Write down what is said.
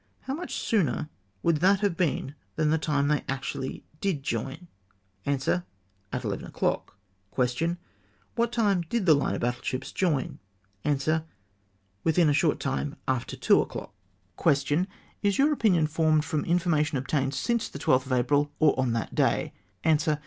—" How much sooner would that have been than the time they actually did join ?" Ansiuer. —" At eleven o'clock.'^ Question. —" What time did the line of battle ships join? " Answer. —" WitJtin a short time after two o'clock." PLENTY OF WATER. 413 Question. — "Is your opinion formed from information ob tained since the 12th of April, or on that day?" Answer.